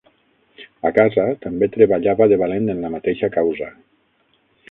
A casa també treballava de valent en la mateixa causa.